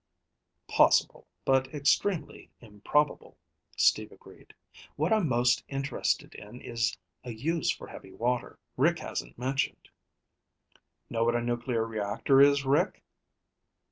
"Possible, but extremely improbable," Steve agreed. "What I'm most interested in is a use for heavy water Rick hasn't mentioned. Know what a nuclear reactor is, Rick?"